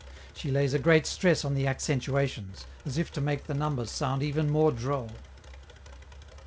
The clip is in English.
She lays a great stress on the accentuations, as if to make the numbers sound even more droll.